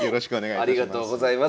ありがとうございます。